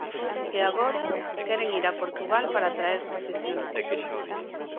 E agora queren ir a Portugal para traer profesionais.